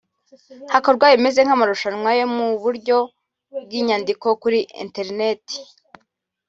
hakorwa ibimeze nk’amarushanwa yo mu buryo bw’inyandiko kuri interineti